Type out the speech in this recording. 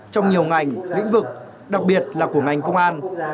trong nhiều ngành lĩnh vực đặc biệt là của ngành công an